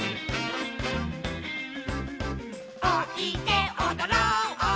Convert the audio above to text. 「おいでおどろう」